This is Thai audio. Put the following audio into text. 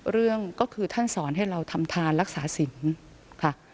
เรื่องก็คือท่านสอนให้เราทำทานรักษาสินค่ะ